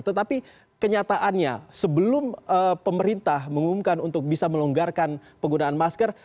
tetapi kenyataannya sebelum pemerintah mengumumkan untuk bisa melonggarkan penggunaan masker